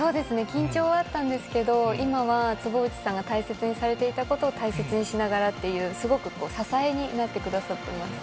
緊張はあったんですけど、今は坪内さんが大切にされていたことを大切にしながらっていう、すごく、支えになってくださっています。